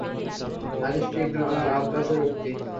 হাদীসটি Ibn আব্বাসের উক্তি।